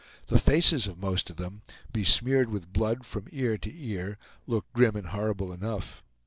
The faces of most of them, besmeared with blood from ear to ear, looked grim and horrible enough.